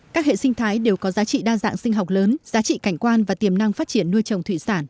các hệ sinh thái đều có giá trị đa dạng sinh học lớn giá trị cảnh quan và tiềm năng phát triển nuôi trồng thủy sản